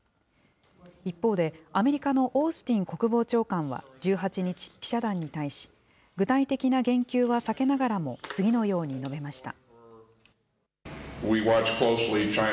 一方で、アメリカのオースティン国防長官は１８日、記者団に対し、具体的な言及は避けながらも次のように述べました。